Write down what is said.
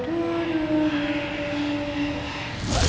suara itu kan